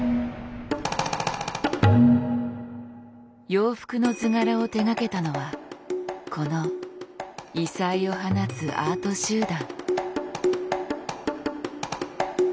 洋服の図柄を手がけたのはこの異彩を放つアート集団。